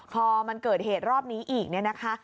พอมันเกิดเหตุรอบนี้อีกเนี่ยนะคะ